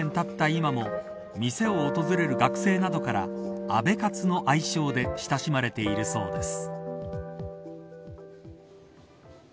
今も店を訪れる学生などから安倍カツの愛称で親しまれているそうです。